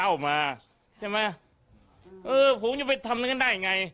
ถูกซะไม่คุมคุมเกิดเรื่อง